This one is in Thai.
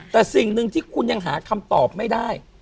แต่สิ่งหนึ่งที่คุณยังหาคำตอบไม่ได้